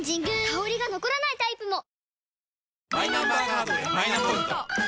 香りが残らないタイプも！